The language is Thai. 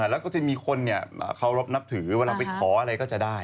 แล้วก็จะมีคนเคารพนับถือเวลาไปขออะไรก็จะได้